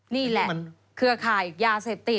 นี่แหละเครือข่ายยาเสพติด